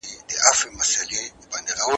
د غلو او ډاکوانو څخه د بازار ساتنه ولې سخته وه؟